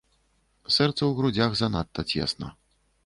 Сэрцу ў грудзях занадта цесна.